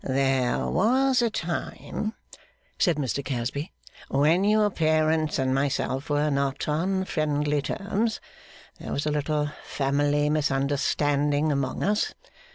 'There was a time,' said Mr Casby, 'when your parents and myself were not on friendly terms. There was a little family misunderstanding among us.